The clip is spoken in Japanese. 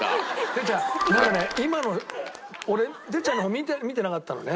哲ちゃんなんかね今の俺哲ちゃんの方見てなかったのね。